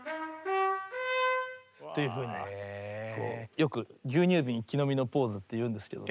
よく牛乳ビン一気飲みのポーズって言うんですけど。